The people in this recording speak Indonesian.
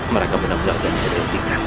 mereka benar benar bisa dihentikan